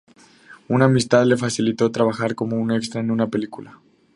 Una amistad le facilitó trabajar como extra en una película.